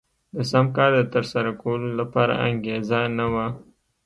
د سم کار د ترسره کولو لپاره انګېزه نه وه.